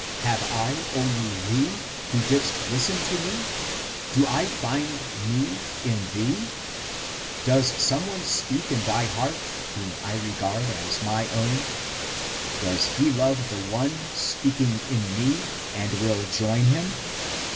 Have I only thee, who didst listen to me? Do I find me in thee ? Does some one speak in thy heart, whom I regard as mine own ? Does he love the one speaking in me and will join him?